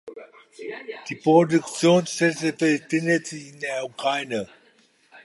Die Produktionsstätte befindet sich in der Ukraine.